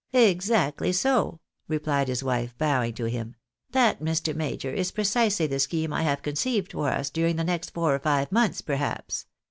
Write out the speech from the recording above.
" Exactly so," replied his wife, bowing to him. " That, Mr. Major, is precisely the scheme I have conceived for us during the next four or five months, perhaps.